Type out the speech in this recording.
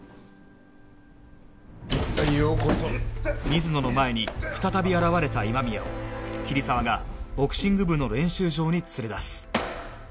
水野の前に再び現れた今宮を桐沢がボクシング部の練習場に連れ出す